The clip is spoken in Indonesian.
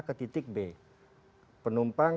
ke titik b penumpang